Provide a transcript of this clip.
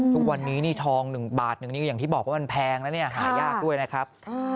ทุกวันนี้นี่ทอง๑บาท๑นิ้วอย่างที่บอกว่ามันแพงแล้วเนี่ยหายากด้วยนะครับ